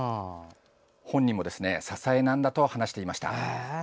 本人も支えなんだと話していました。